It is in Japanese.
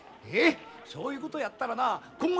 そういうことやったらな今後